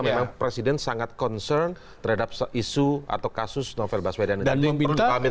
memang presiden sangat concern terhadap isu atau kasus novel baswedan ini